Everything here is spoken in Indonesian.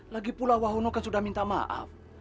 lagipula wahono kan sudah minta maaf